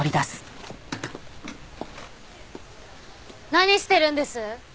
何してるんです？